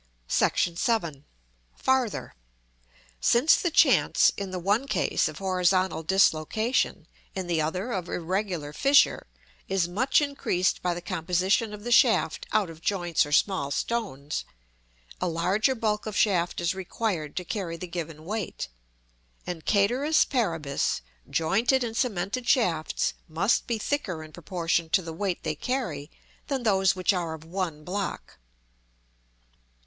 § VII. Farther. Since the chance, in the one case, of horizontal dislocation, in the other, of irregular fissure, is much increased by the composition of the shaft out of joints or small stones, a larger bulk of shaft is required to carry the given weight; and, cæteris paribus, jointed and cemented shafts must be thicker in proportion to the weight they carry than those which are of one block.